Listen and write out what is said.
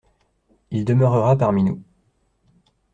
Il demeurera parmi nous.